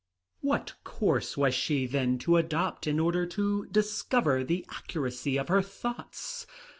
What course was she, then, to adopt in order to discover the accuracy of her thoughts?